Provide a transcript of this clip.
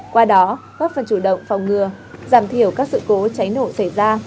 qua đó góp phần chủ động phòng ngừa giảm thiểu các sự cố cháy nổ xảy ra